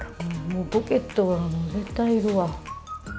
もうポケットは絶対いるわ。